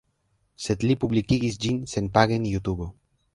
Sed li publikigis ĝin senpage en Jutubo